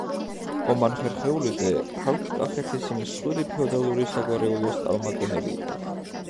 ომან ხერხეულიძე ქართლ-კახეთის მსხვილი ფეოდალური საგვარეულოს წარმომადგენელი იყო.